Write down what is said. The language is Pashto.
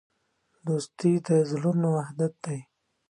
دوستي د زړونو وحدت دی.